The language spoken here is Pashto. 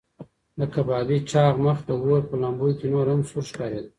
د کبابي چاغ مخ د اور په لمبو کې نور هم سور ښکارېده.